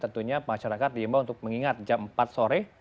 tentunya masyarakat diimbau untuk mengingat jam empat sore